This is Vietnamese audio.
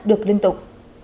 được liên tục